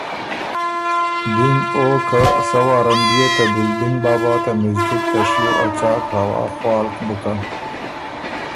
دیم او که سۀ وارم بيې ته دِلدِنګ بابا ته مِزدِک ته شیو ا څاک هوا خوالک بُکن